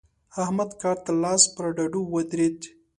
احمد کار ته لاس پر ډډو ودرېد.